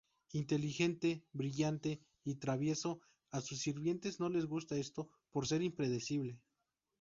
Inteligente, brillante y travieso, a sus sirvientes no le gusta esto por ser impredecible.